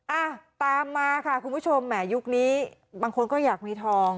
อ่ะตามมาค่ะคุณผู้ชมแหมยุคนี้บางคนก็อยากมีทอง